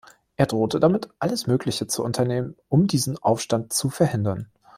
Er drohte damit, alles Mögliche zu unternehmen, um diesen Aufstand zu verhindern.